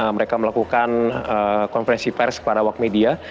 mereka melakukan konferensi pers kepada wak media